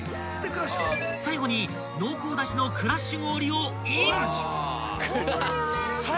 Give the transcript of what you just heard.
［最後に濃厚だしのクラッシュ氷をイン！］